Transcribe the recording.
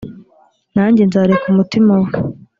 nanjye nzareka umutima we